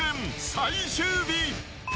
最終日。